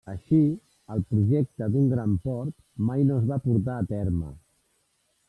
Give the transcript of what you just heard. Així el projecte d'un gran port mai no es va portar a terme.